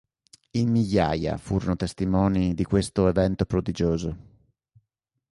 In migliaia furono testimoni di questo evento prodigioso.